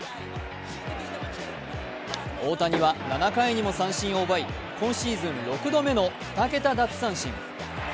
大谷は７回にも三振を奪い、今シーズン６度目の２桁奪三振。